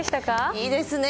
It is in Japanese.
いいですね。